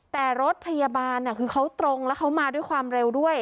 แต่รถพยาบาลคือเขาตรงแล้วเขามาด้วยความเร็วด้วย